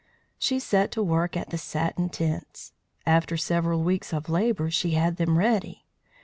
She set to work at the satin tents. After several weeks of labour she had them ready.